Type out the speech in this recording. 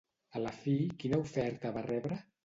A la fi, quina oferta va rebre?